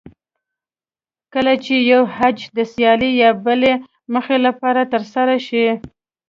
کله چې یو حج د سیالۍ یا بلې موخې لپاره ترسره شي.